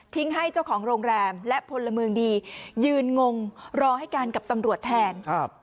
ให้เจ้าของโรงแรมและพลเมืองดียืนงงรอให้การกับตำรวจแทน